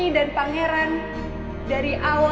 saya ingin bahagianya yg yang luar biasa